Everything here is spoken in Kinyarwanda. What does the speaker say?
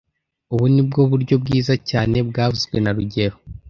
Ubu ni bwo buryo bwiza cyane byavuzwe na rugero